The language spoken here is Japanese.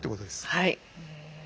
はい。